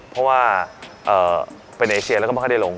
เพราะว่าเป็นเอเชียแล้วก็ไม่ค่อยได้ลง